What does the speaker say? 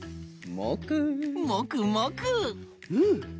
うん！